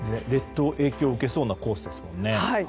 列島、影響を受けそうなコースですもんね。